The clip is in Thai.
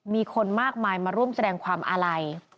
มีคนมากมายมาร่วมแสดงความอาลัย